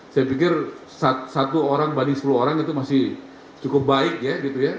saya pikir satu orang banding sepuluh orang itu masih cukup baik ya gitu ya